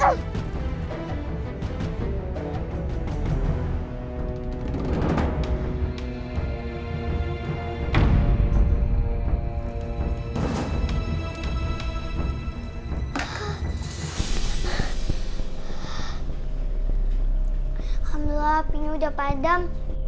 alhamdulillah apinya udah padam